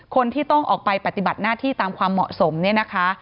คนที่ต้องออกไปปฏิบัติหน้าที่ตามความเหมาะสมเนี่ยนะคะ